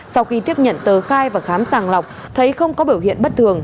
sau khi tiếp nhận tờ khai và khám sàng lọc thấy không có biểu hiện bất thường